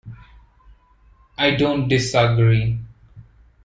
I don't disagree.